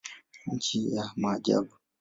Nchi ya maajabu.